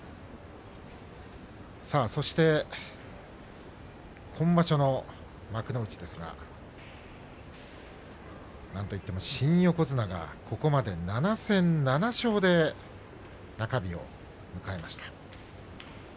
そして今場所幕内ですがなんといっても新横綱がここまで７戦７勝で中日を迎えました。